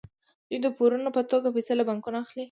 دوی د پورونو په توګه پیسې له بانکونو اخلي